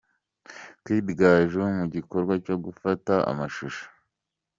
Kid Gaju mu gikorwa cyo gufata amashusho.